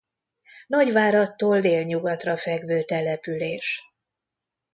Nagyváradtól délnyugatra fekvő település.